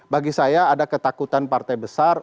bagi saya ada ketakutan partai besar